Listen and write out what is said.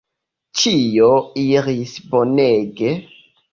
Ĉio iris bonege.